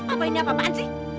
apa ini apaan sih